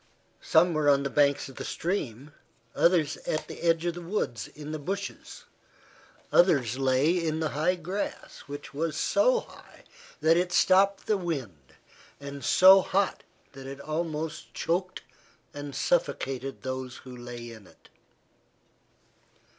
Some were on the banks of the stream, others at the edge of the woods in the bushes. Others lay in the high grass which was so high that it stopped the wind, and so hot that it almost choked and suffocated those who lay in it.